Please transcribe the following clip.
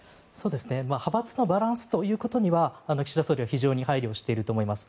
派閥のバランスということには岸田総理は非常に配慮していると思います。